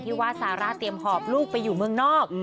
ว่าซาร่าเตรียมหอบลูกไปอยู่เมืองนอก